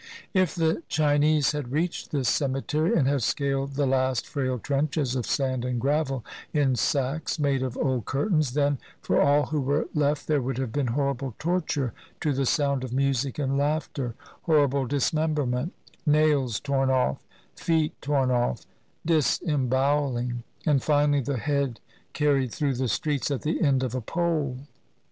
If the Chinese had reached this cemetery, and had scaled the last frail trenches of sand and gravel in sacks made of old curtains, then for all who were left there would have been horrible torture to the sound of music and laughter, horrible dismemberment, — nails torn off, feet torn off, disemboweling, and finally the head carried through the streets at the end of a pole.